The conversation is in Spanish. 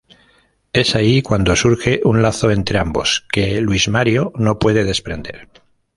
Es ahí cuando surge un lazo entre ambos que Luis Mario no puede desprender.